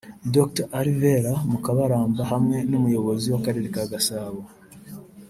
Dr Alvera Mukabaramba hamwe n’Umuyobozi w’Akarere ka Gasabo